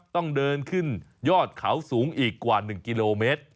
ต้องเดินขึ้นยอดเขาสูงอีกกว่า๑กิโลเมตร